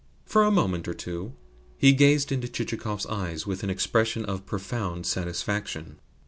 For a moment or two he gazed into Chichikov's eyes with an expression of profound satisfaction.